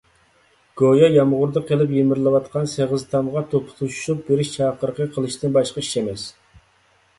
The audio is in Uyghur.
گويا يامغۇردا قېلىپ يېمىرىلىۋاتقان سېغىز تامغا توپا توشۇشۇپ بېرىش چاقىرىقى قىلىشتىن باشقا ئىش ئەمەس.